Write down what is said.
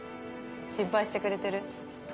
心配してくれてる？